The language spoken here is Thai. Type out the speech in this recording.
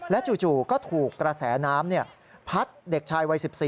จู่ก็ถูกกระแสน้ำพัดเด็กชายวัย๑๔